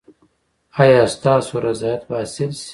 ایا ستاسو رضایت به حاصل شي؟